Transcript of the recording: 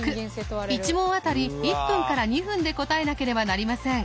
１問当たり１分から２分で答えなければなりません。